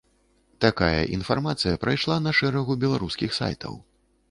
Такая інфармацыя прайшла на шэрагу беларускіх сайтаў.